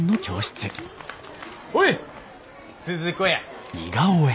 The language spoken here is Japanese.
ほい鈴子や。